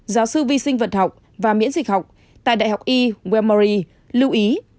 giáo sư vi sinh vật học và miễn dịch học tại đại học y welmory lưu ý